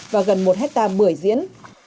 và gần một hectare bưởi diễn